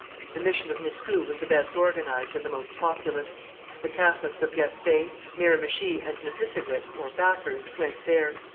The mission of Miscou was the best organized and the most populous; the Catholics of Gaspé, Miramichi and Nipisiguit (Bathurst) went there.